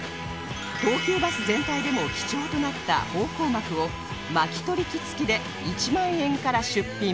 東急バス全体でも貴重となった方向幕を巻き取り機付きで１万円から出品